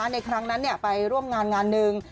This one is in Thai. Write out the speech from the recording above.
ในครั้งนั้นไปร่วมงานงานหนึ่ง